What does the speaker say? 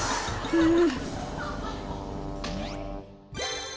うん。